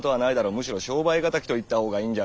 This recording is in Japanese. むしろ商売敵と言ったほうがいいんじゃあないか？